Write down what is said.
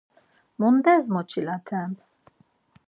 Mundes moçilaten?